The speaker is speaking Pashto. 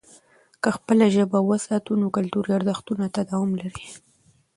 که خپله ژبه وساتو، نو کلتوري ارزښتونه تداوم لري.